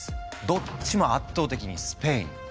どっちも圧倒的にスペイン。